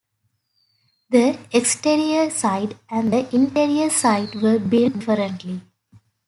The exterior side and the interior side were built differently.